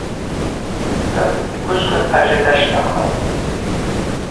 Кӏтӏым – йгвыжвкӏыз – ажьа дащтахъалтӏ.